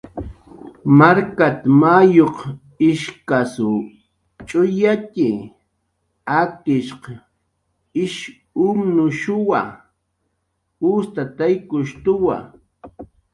"Markat"" mayuq ishkasw ch'uyatxi, akishq ish umnushuwa, ustataykushtuwa"